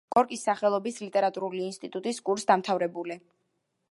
გორკის სახელობის ლიტერატურული ინსტიტუტის კურსდამთავრებული.